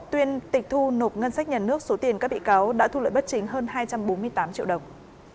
tuyên tịch thu nộp ngân sách nhà nước số tiền các bị cáo đã thu lợi bất chính hơn hai trăm bốn mươi tám triệu đồng